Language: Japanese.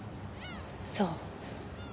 そう。